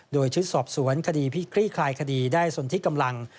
โดยชึดสอบสวนคดีพิกรีคลายคดีได้สนทิกกำลัง